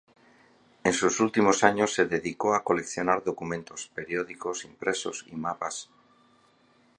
En sus últimos años se dedicó a coleccionar documentos, periódicos, impresos y mapas.